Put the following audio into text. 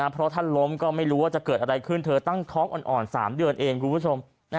เพราะท่านล้มก็ไม่รู้ว่าจะเกิดอะไรขึ้นเธอตั้งท้องอ่อน๓เดือนเองคุณผู้ชม